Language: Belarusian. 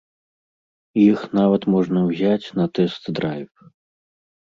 Іх нават можна ўзяць на тэст-драйв.